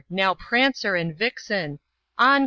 now, Prancer and Vixen! On!